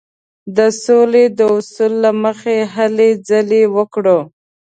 د سولې د اصولو له مخې هلې ځلې وکړو.